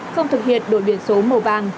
không thực hiện đổi biển số màu vàng